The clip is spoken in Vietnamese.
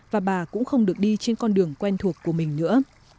và bà cũng không được đi trên con đường quen thuộc của mình nữa